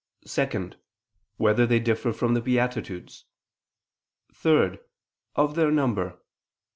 (2) Whether they differ from the beatitudes? (3) Of their number?